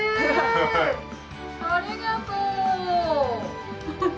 ありがとう！